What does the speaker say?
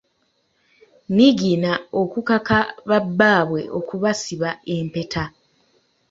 Niigiina okukaka babbaabwe okubasiba empeta.